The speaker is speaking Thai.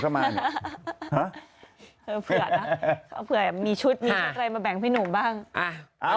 เผื่อละเผื่อมีชุดอะไรมาแบ่งกับพี่นุมบ้าง